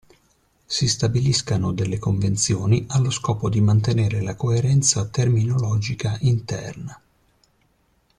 Si stabiliscano delle convenzioni allo scopo di mantenere la coerenza terminologica interna.